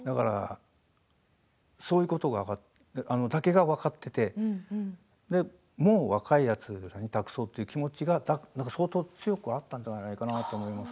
そういうことだけが分かっていてもう、若いやつらに託そうという気持ちが相当強くあったんじゃないかなと思ったんです。